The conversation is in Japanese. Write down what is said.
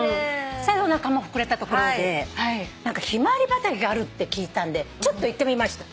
おなかも膨れたところでヒマワリ畑があるって聞いたんでちょっと行ってみました。